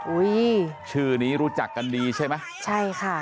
อุ้ยชื่อนี้รู้จักกันดีใช่ไหมใช่ค่ะ